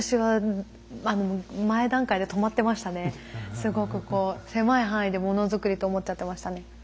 すごくこう狭い範囲でもの作りと思っちゃってましたね。